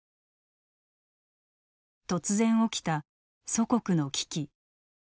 突然起きた祖国の危機。